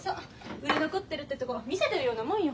売れ残ってるってとこ見せてるようなもんよ。